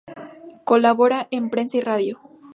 Colabora en prensa y radio.